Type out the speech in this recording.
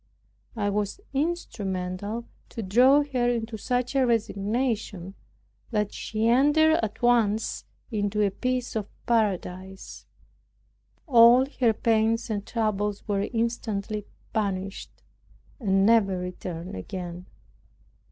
I was instrumental to draw her into such a resignation, that she entered at once into a peace of paradise; all her pains and troubles were instantly banished; and never returned again.